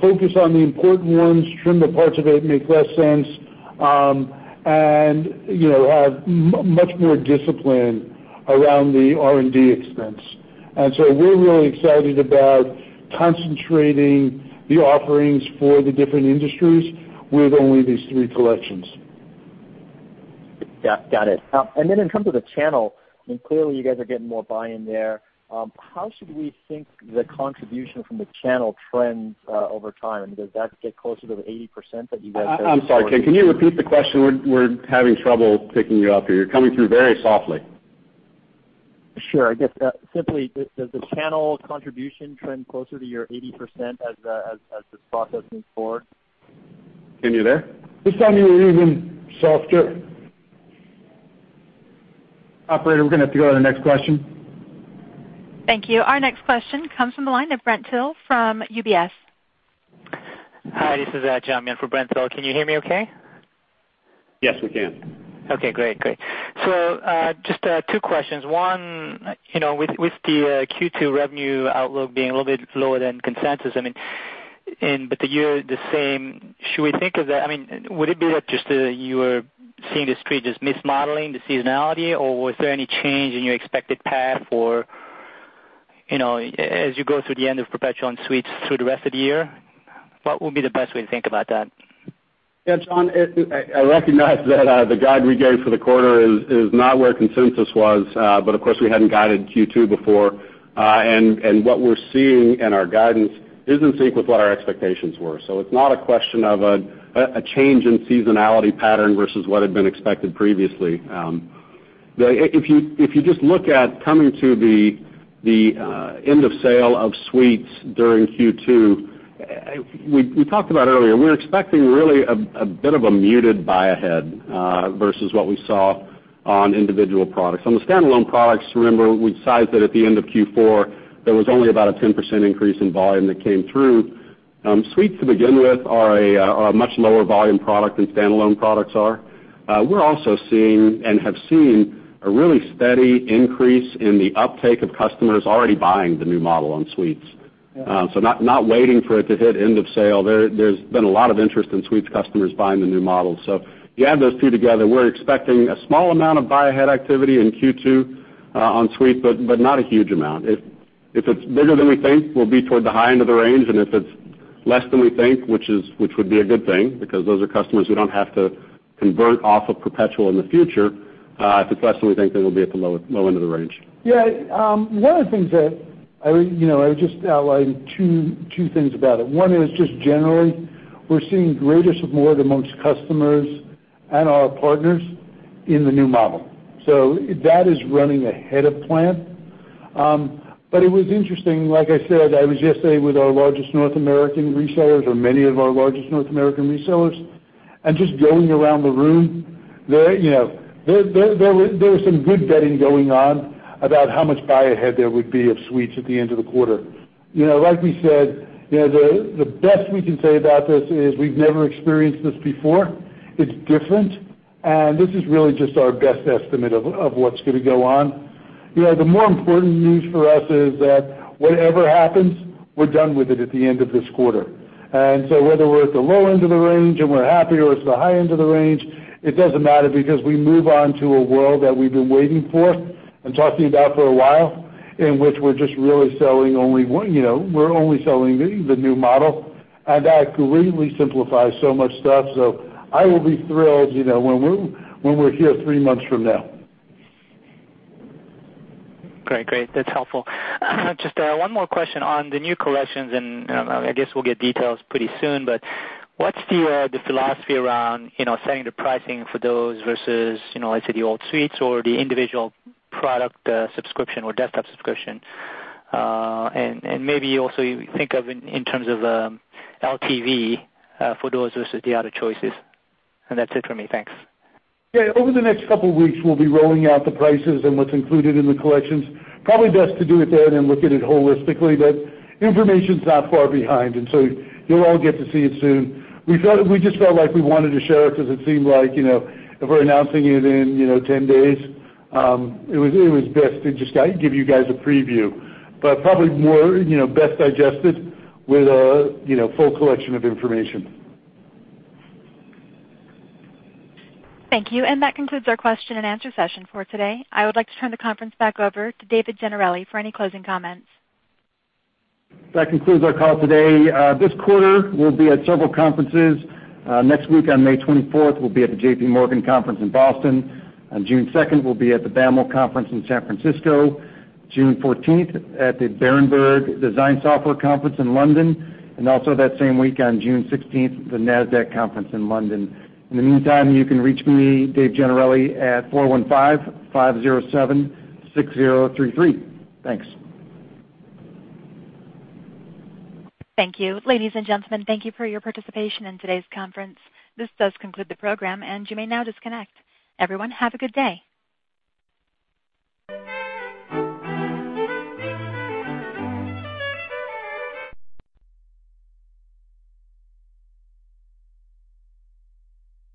focus on the important ones, trim the parts of it make less sense, and have much more discipline around the R&D expense. We're really excited about concentrating the offerings for the different industries with only these three Collections. Got it. In terms of the channel, I mean, clearly you guys are getting more buy-in there. How should we think the contribution from the channel trends over time? Does that get closer to the 80% that you guys I'm sorry, Ken, can you repeat the question? We're having trouble picking you up here. You're coming through very softly. Sure. I guess, simply, does the channel contribution trend closer to your 80% as this process moves forward? Ken, you there? This time you're even softer. Operator, we're going to have to go to the next question. Thank you. Our next question comes from the line of Brent Thill from UBS. Hi, this is John Byun for Brent Thill. Can you hear me okay? Yes, we can. Okay, great. Just two questions. One, with the Q2 revenue outlook being a little bit lower than consensus, but the year the same, should we think of that, would it be that just you were seeing the street just mismodeling the seasonality? Or was there any change in your expected path or as you go through the end of perpetual and Suites through the rest of the year? What would be the best way to think about that? Yeah, John, I recognize that the guide we gave for the quarter is not where consensus was. Of course, we hadn't guided Q2 before. What we're seeing in our guidance is in sync with what our expectations were. It's not a question of a change in seasonality pattern versus what had been expected previously. If you just look at coming to the end of sale of Suites during Q2, we talked about earlier, we're expecting really a bit of a muted buy-ahead versus what we saw on individual products. On the standalone products, remember, we decided that at the end of Q4, there was only about a 10% increase in volume that came through. Suites to begin with are a much lower volume product than standalone products are. We're also seeing, and have seen, a really steady increase in the uptake of customers already buying the new model on Suites. Not waiting for it to hit end of sale. There's been a lot of interest in Suites customers buying the new model. If you add those two together, we're expecting a small amount of buy-ahead activity in Q2 on Suites, but not a huge amount. If it's bigger than we think, we'll be toward the high end of the range, and if it's less than we think, which would be a good thing, because those are customers we don't have to convert off of perpetual in the future. If it's less than we think, then we'll be at the low end of the range. Yeah. I would just outline two things about it. One is just generally, we're seeing greater support amongst customers and our partners in the new model. That is running ahead of plan. It was interesting, like I said, I was yesterday with our largest North American resellers, or many of our largest North American resellers, and just going around the room, there was some good betting going on about how much buy ahead there would be of Suites at the end of the quarter. Like we said, the best we can say about this is we've never experienced this before. It's different, and this is really just our best estimate of what's going to go on. The more important news for us is that whatever happens, we're done with it at the end of this quarter. Whether we're at the low end of the range and we're happy, or it's the high end of the range, it doesn't matter because we move on to a world that we've been waiting for and talking about for a while, in which we're only selling the new model. That greatly simplifies so much stuff. I will be thrilled when we're here three months from now. Great. That's helpful. Just one more question on the new Industry Collections, I guess we'll get details pretty soon, but what's the philosophy around setting the pricing for those versus, let's say, the old suites or the individual product subscription or Desktop Subscription? Maybe also you think of in terms of LTV for those versus the other choices. That's it for me. Thanks. Yeah. Over the next couple of weeks, we'll be rolling out the prices and what's included in the Industry Collections. Probably best to do it there then look at it holistically, information's not far behind, so you'll all get to see it soon. We just felt like we wanted to share it because it seemed like if we're announcing it in 10 days, it was best to just give you guys a preview. Probably more best digested with a full collection of information. Thank you. That concludes our question and answer session for today. I would like to turn the conference back over to David Gennarelli for any closing comments. That concludes our call today. This quarter, we'll be at several conferences. Next week on May 24th, we'll be at the JP Morgan Conference in Boston. On June 2nd, we'll be at the BAML Conference in San Francisco, June 14th at the Berenberg Design Software Conference in London, and also that same week on June 16th, the Nasdaq Conference in London. In the meantime, you can reach me, Dave Gennarelli, at 415-507-6033. Thanks. Thank you. Ladies and gentlemen, thank you for your participation in today's conference. This does conclude the program, and you may now disconnect. Everyone, have a good day.